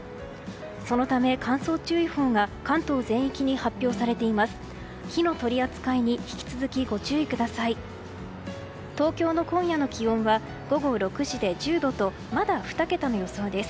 そのため乾燥注意報が関東全域に発表されています。